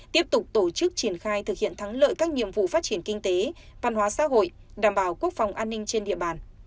tiếp tục tổ chức triển khai thực hiện thắng lợi các nhiệm vụ phát triển kinh tế văn hóa xã hội đảm bảo quốc phòng an ninh trên địa bàn